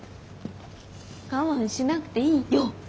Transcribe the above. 我慢しなくていいよ。